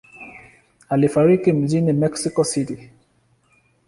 Alifariki mjini Mexico City.